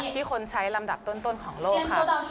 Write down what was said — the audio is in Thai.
ที่คนใช้ลำดับต้นของโลกค่ะ